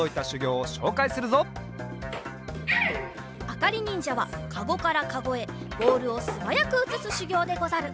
あかりにんじゃはかごからかごへボールをすばやくうつすしゅぎょうでござる。